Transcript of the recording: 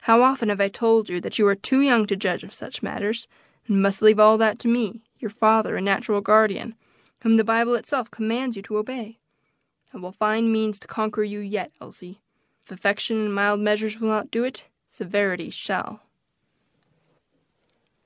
How often have I told you that you are too young to judge of such matters, and must leave all that to me, your father and natural guardian, whom the Bible itself commands you to obey. I will find means to conquer you yet, Elsie. If affection and mild measures will not do it, severity shall."